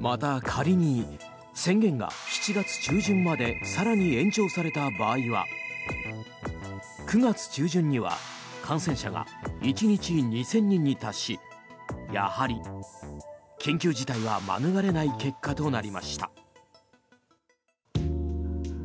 また、仮に宣言が７月中旬まで更に延長された場合は９月中旬には感染者が１日２０００人に達しやはり緊急事態は免れない結果となりました。